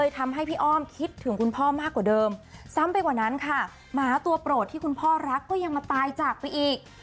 ซ้ำไปกว่านั้นค่ะหมาตัวโปรดที่คุณพ่อรักก็ยังมาตายจากไปอีก